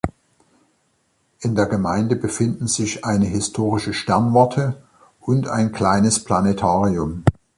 In der Gemeinde befinden sich eine historische Sternwarte und ein kleines Planetarium.